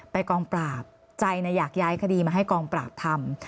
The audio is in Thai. กองปราบใจอยากย้ายคดีมาให้กองปราบทำ